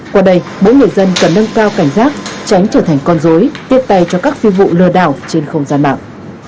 qua đây bố người dân cần nâng cao cảnh giác tránh trở thành con dối tiết tay cho các phi vụ lừa đảo trên không gian mạng